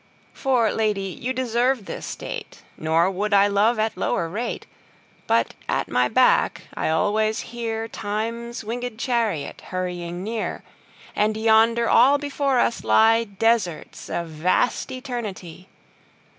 For Lady you deserve this State; Nor would I love at lower rate. But at my back I alwaies hearTimes winged Charriot hurrying near:And yonder all before us lyeDesarts of vast Eternity.